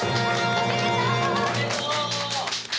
おめでとう！